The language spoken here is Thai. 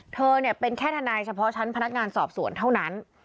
เธอเป็นแค่ทนายเฉพาะชั้นพนักงานสอบสวนเท่านั้น